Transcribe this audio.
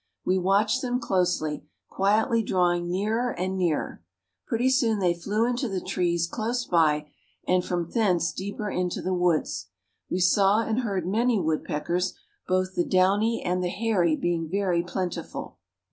We watched them closely, quietly drawing nearer and nearer. Pretty soon they flew into the trees close by, and from thence deeper into the woods. We saw and heard many woodpeckers, both the downy and the hairy being very plentiful.